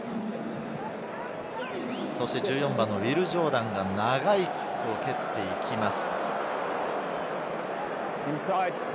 １４番のウィル・ジョーダンが長いキックを蹴っていきます。